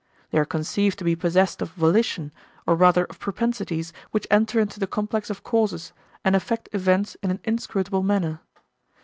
They are conceived to be possessed of volition, or rather of propensities, which enter into the complex of causes and affect events in an inscrutable manner.